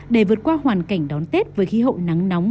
để vượt qua hoàn cảnh đón tết với khí hậu nắng nóng